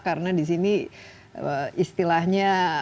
karena disini istilahnya menyangkut ini